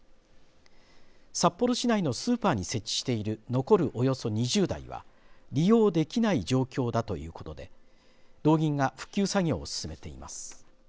札幌市内のスーパーに設置している残るおよそ２０台は利用できない状況だということで道銀が復旧作業を進めています。